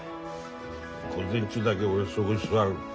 午前中だけ俺がそこに座る。